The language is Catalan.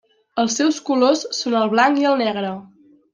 Els seus colors són el blanc i el negre.